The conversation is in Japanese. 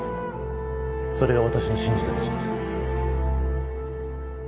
それが私の信じた道です。